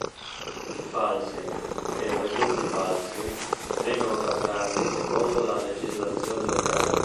I falsi e i presunti falsi vengono trattati secondo la legislazione locale.